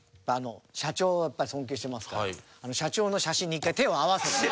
社長をやっぱり尊敬してますから社長の写真に１回手を合わせて。